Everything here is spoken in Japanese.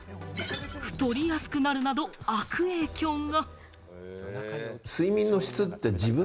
太りやすくなるなど悪影響が。